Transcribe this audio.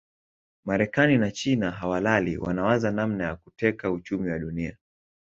Marekani na China hawalali wanawaza namna ya kuteka uchumi wa Dunia